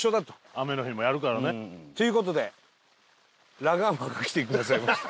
雨の日もやるからね。という事でラガーマンが来てくださいました。